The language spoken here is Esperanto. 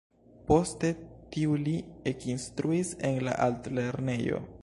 Poste tuj li ekinstruis en la Altlernejo.